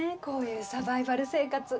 こういうサバイバル生活。